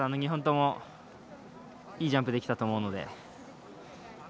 ２本ともいいジャンプができたと思うので。